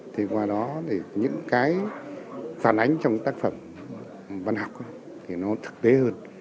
thì qua đó thì những cái phản ánh trong cái tác phẩm văn học thì nó thực tế hơn